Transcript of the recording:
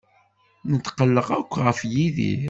Netqelleq akk ɣef Yidir.